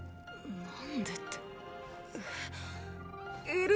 何でってえ？